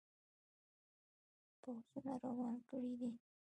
پوځونه روان کړي دي.